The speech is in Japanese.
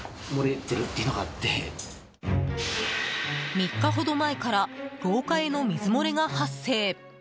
３日ほど前から廊下への水漏れが発生。